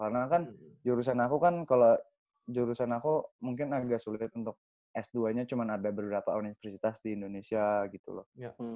karena kan jurusan aku kan kalau jurusan aku mungkin agak sulit untuk s dua nya cuman ada beberapa universitas di indonesia gitu loh